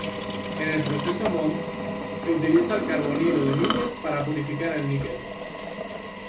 En el proceso Mond, se utiliza el carbonilo de níquel para purificar el níquel.